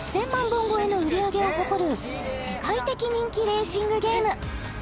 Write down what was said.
本超えの売り上げを誇る世界的人気レーシングゲーム